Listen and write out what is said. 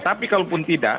tapi kalaupun tidak